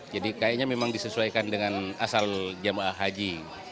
jadi kayaknya memang disesuaikan dengan asal jemaah haji